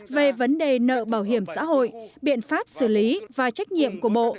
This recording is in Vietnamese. về vấn đề nợ bảo hiểm xã hội biện pháp xử lý và trách nhiệm của bộ